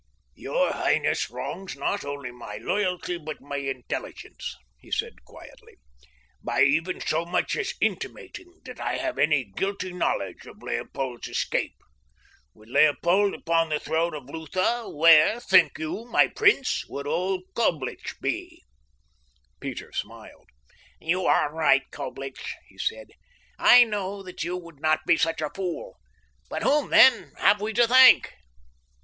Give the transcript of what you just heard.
"Your highness wrongs not only my loyalty, but my intelligence," he said quietly, "by even so much as intimating that I have any guilty knowledge of Leopold's escape. With Leopold upon the throne of Lutha, where, think you, my prince, would old Coblich be?" Peter smiled. "You are right, Coblich," he said. "I know that you would not be such a fool; but whom, then, have we to thank?"